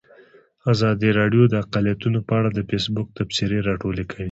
ازادي راډیو د اقلیتونه په اړه د فیسبوک تبصرې راټولې کړي.